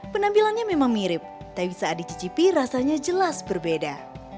penampilannya memang mirip tapi saat dicicipi rasanya jelas berbeda